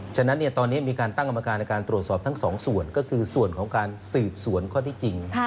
ฉะนั้นตอนนี้มีการตั้งกรรมการในการตรวจสอบทั้งสองส่วนก็คือส่วนของการสืบสวนข้อที่จริง